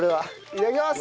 いただきます。